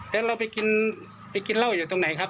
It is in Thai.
แล้วเราไปกินไปกินเหล้าอยู่ตรงไหนครับ